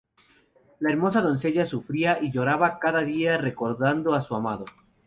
La hermosa doncella sufría y lloraba cada día recordando a su amado.